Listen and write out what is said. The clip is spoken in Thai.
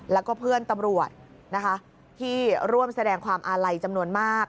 แล้วก็เพื่อนตำรวจนะคะที่ร่วมแสดงความอาลัยจำนวนมาก